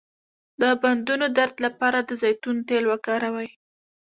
د بندونو درد لپاره د زیتون تېل وکاروئ